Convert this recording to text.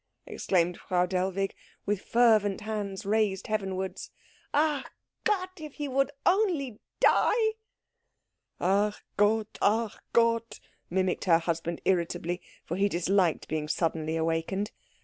exclaimed Frau Dellwig, with fervent hands raised heavenwards. "Ach Gott, if he would only die!" "Ach Gott, ach Gott!" mimicked her husband irritably, for he disliked being suddenly awakened.